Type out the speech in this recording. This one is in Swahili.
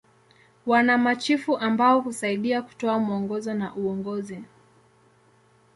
Wana machifu ambao husaidia kutoa mwongozo na uongozi.